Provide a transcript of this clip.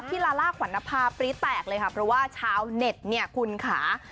ลาล่าขวัญนภาปรี๊แตกเลยค่ะเพราะว่าชาวเน็ตเนี่ยคุณค่ะ